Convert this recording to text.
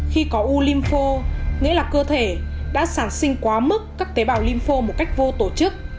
khi có ulimfo nghĩa là cơ thể đã sản sinh quá mức các tế bào lympho một cách vô tổ chức